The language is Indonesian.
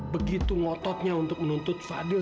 begitu ngototnya untuk menuntut fadil